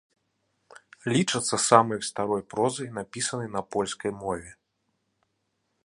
Лічацца самай старой прозай, напісанай на польскай мове.